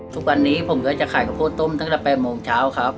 ทุกวันนี้ผมก็จะขายข้าวโพดต้มตั้งแต่๘โมงเช้าครับ